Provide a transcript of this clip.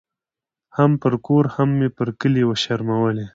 هم پر کور هم یې پر کلي شرمولې